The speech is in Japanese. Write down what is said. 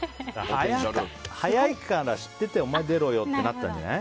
速いのを知っててお前出ろよってなったんじゃない？